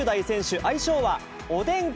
愛称はおでん君。